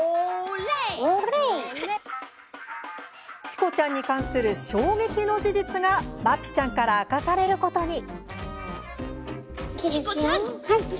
チコちゃんに関する衝撃の事実がＭＡＰＩちゃんから明かされることに！